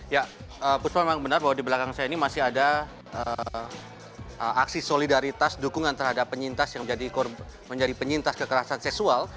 ya puspa memang benar bahwa di belakang saya ini masih ada aksi solidaritas dukungan terhadap penyintas yang menjadi penyintas kekerasan seksual